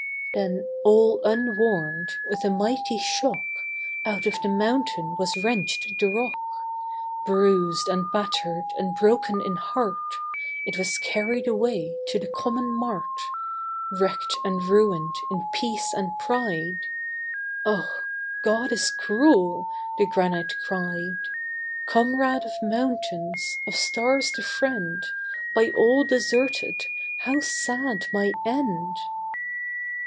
Then all unwarned, with a mighty shock Out of the mountain was wrenched the rock. Bruised and battered and broken in heart, It was carried away to the common mart, Wrecked and ruined in piece and pride. 'Oh, God is cruel,' the granite cried, 'Comrade of mountains, of stars the friend, By all deserted, how sad my end.